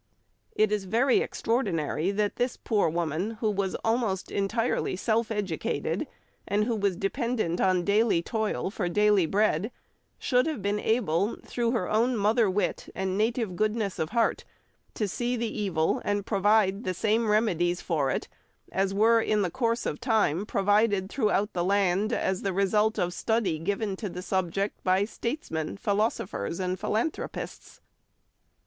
It is very extraordinary that this poor woman, who was almost entirely self educated, and who was dependent on daily toil for daily bread, should have been able, through her own mother wit and native goodness of heart, to see the evil and provide the same remedies for it as were in course of time provided throughout the land, as the result of study given to the subject, by statesmen, philosophers, and philanthropists.